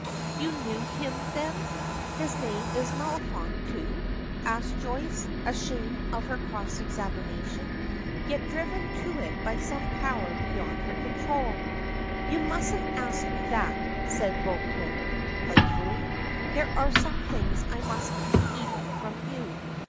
"You knew him then? Is his name Maliphant, too?" asks Joyce, ashamed of her cross examination, yet driven to it by some power beyond her control. "You mustn't ask me that," says Beauclerk playfully. "There are some things I must keep even from you.